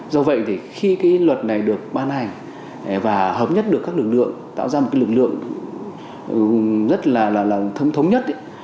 do vậy thì khi cái luật này được ban hành và hợp nhất được các lực lượng tạo ra một lực lượng rất là thâm thống nhất